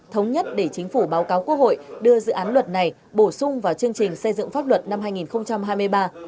thống nhất để chính phủ báo cáo quốc hội đưa dự án luật này bổ sung vào chương trình xây dựng pháp luật năm hai nghìn hai mươi ba